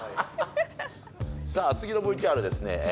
さあ次のＶＴＲですね